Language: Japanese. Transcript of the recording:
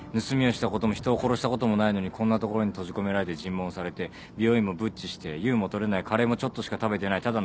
盗みをしたことも人を殺したこともないのにこんな所に閉じ込められて尋問されて美容院もぶっちして優も取れないカレーもちょっとしか食べてない